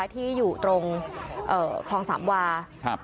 ที่อยู่ตรงคลองสามวา